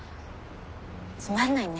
つまんないね。